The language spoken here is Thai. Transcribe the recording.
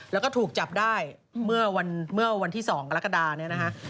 แล้วก็ถูกจับได้เมื่อวันที่๒กรกฎาเนี่ยนะฮะ